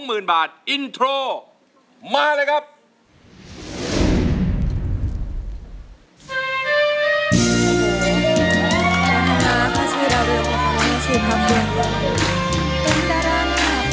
เป็นตารางหากว่าภาษาภาษีอื่น